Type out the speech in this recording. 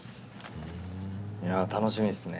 いや楽しみですね。